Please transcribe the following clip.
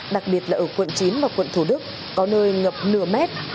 đặc biệt là ở quận chín và quận thủ đức có nơi ngập nửa mét